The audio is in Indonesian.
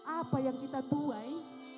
apa yang kita tuai